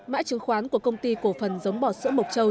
mã chứng khoán của công ty cổ phần giống bò sữa mộc châu